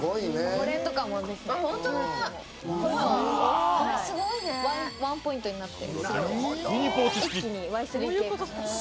これとかも、ワンポイントになって。